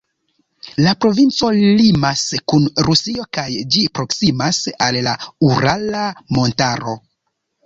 La provinco limas kun Rusio kaj ĝi proksimas al la Urala Montaro.